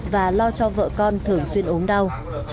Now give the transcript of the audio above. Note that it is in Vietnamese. và lo cho vợ con thường xuyên ốm đau